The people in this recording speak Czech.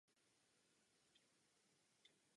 Po rozhovoru s ním však začne se svou matkou hovořit.